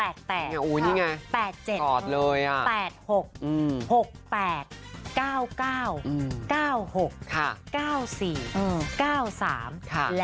แล้วก็๑๗นี่แหละค่ะ